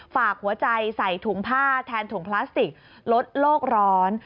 ฝากหัวใจใส่ถุงผ้าแทนถุงพลาสติกลดโลกร้อน